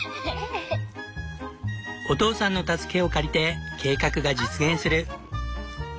お父さんの助けを借りて計画が実現する。